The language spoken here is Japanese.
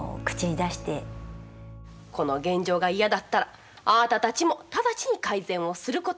この現状が嫌だったらあんたたちも直ちに改善をすること。